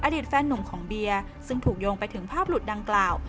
อดีตแฟนหนุ่มของเบียร์ซึ่งถูกโยงไปถึงภาพหลุดดังกล่าว